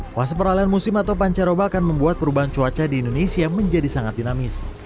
fase peralian musim atau pancaroba akan membuat perubahan cuaca di indonesia menjadi sangat dinamis